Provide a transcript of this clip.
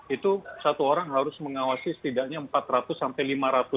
itu satu orang harus mengawasi setidaknya empat ratus sampai lima ratus